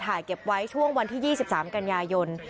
ถ่ายเก็บไว้ช่วงวันที่๒๓กันยายน